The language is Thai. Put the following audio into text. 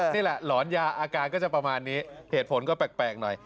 หลอนยาอาการก็จะประมาณนี้เหตุผลก็แปลกหน่อย